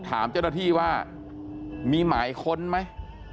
ถามเจ้าหน้าที่ว่ามีหมายค้นไหม